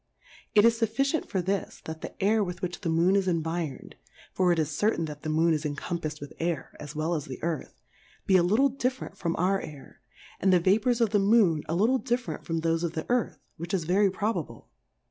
It is fuffi cient for this, that the Air with which the Moon is environed, (for it is certain that the Moon is encompafs'd with Air as well as the Earth) be a little diffe rent from our Air, and the Vapours of the Moon a little different from thofe of the Earth, which is very probable.